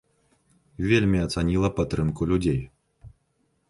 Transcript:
Вельмі ацаніла падтрымку людзей.